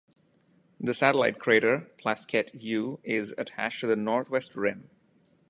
The satellite crater Plaskett U is attached to the northwest rim.